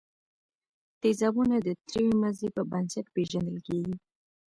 تیزابونه د تروې مزې په بنسټ پیژندل کیږي.